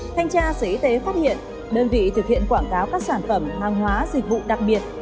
thanh tra sở y tế phát hiện đơn vị thực hiện quảng cáo các sản phẩm hàng hóa dịch vụ đặc biệt